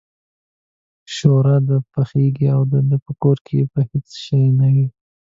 شوروا به پخېږي او دده په کور کې به هېڅ شی نه وي.